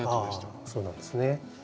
あそうなんですね。